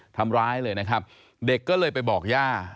ทำร้ายเลยนะครับเด็กก็เลยไปบอกย่า